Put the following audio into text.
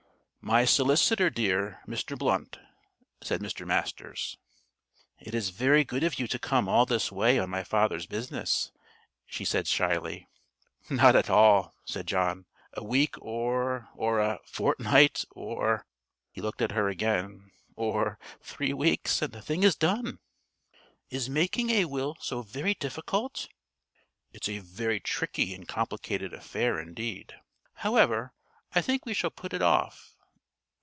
"My solicitor, dear, Mr. Blunt," said Mr. Masters. "It is very good of you to come all this way on my father's business," she said shyly. "Not at all," said John. "A week or or a fortnight or " he looked at her again "or three weeks, and the thing is done." "Is making a will so very difficult?" "It's a very tricky and complicated affair indeed. However, I think we shall pull it off.